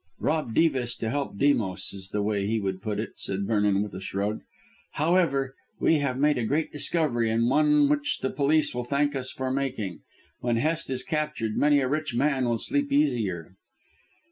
"Rob Dives to help Demos is the way he would put it," said Vernon with a shrug. "However, we have made a great discovery and one which the police will thank us for making. When Hest is captured many a rich man will sleep the easier."